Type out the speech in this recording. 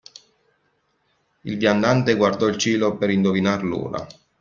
Il viandante guardò il cielo per indovinar l'ora.